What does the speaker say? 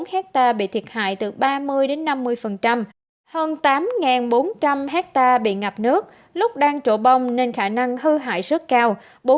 một trăm bảy mươi bốn hectare bị thiệt hại từ ba mươi năm mươi hơn tám bốn trăm linh hectare bị ngập nước lúc đang trộ bông nên khả năng hư hại rất cao